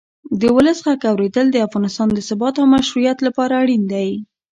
د ولس غږ اورېدل د افغانستان د ثبات او مشروعیت لپاره اړین دی